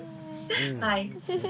はい。